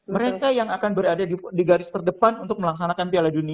mereka yang akan berada di garis terdepan untuk melaksanakan piala dunia